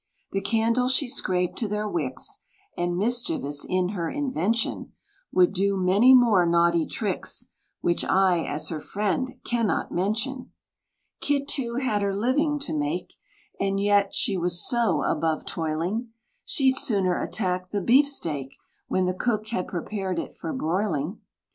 The candles she scraped to their wicks; And, mischievous in her invention, Would do many more naughty tricks, Which I, as her friend, cannot mention. Kit, too, had her living to make, And yet, she was so above toiling, She'd sooner attack the beef steak, When the cook had prepared it for broiling.